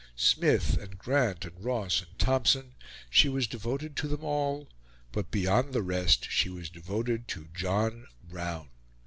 Smith and Grant and Ross and Thompson she was devoted to them all; but, beyond the rest, she was devoted to John Brown.